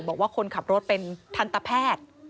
บอกว่าคนขับรถเป็นทันตแพทย์